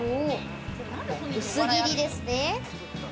薄切りですね。